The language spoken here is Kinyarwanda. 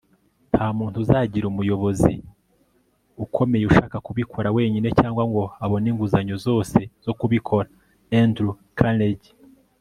nta muntu uzagira umuyobozi ukomeye ushaka kubikora wenyine cyangwa ngo abone inguzanyo zose zo kubikora. - andrew carnegie